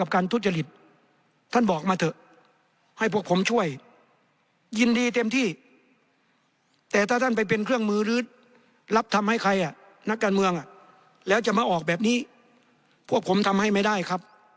พอสังคมทวงติงเข้านัก